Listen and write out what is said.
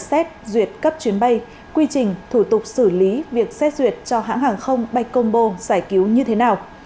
xét duyệt cấp chuyến bay quy trình thủ tục xử lý việc xét duyệt cho hãng hàng không bay côngbo giải cứu như thế nào